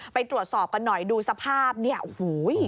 ไปตรวจสอบกันหน่อยดูสภาพเนี่ยโอ้โห